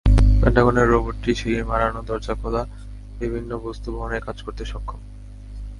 পেন্টাগনের রোবটটি সিঁড়ি মাড়ানো, দরজা খোলা, বিভিন্ন বস্তু বহনের কাজ করতে সক্ষম।